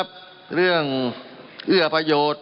มันมีมาต่อเนื่องมีเหตุการณ์ที่ไม่เคยเกิดขึ้น